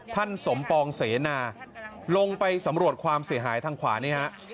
สมปองเสนาลงไปสำรวจความเสียหายทางขวานี่ฮะ